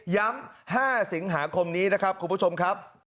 ๕สิงหาคมนี้นะครับคุณผู้ชมครับ